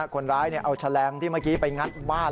คนร้ายเอาแฉลงที่เมื่อกี้ไปงัดบ้าน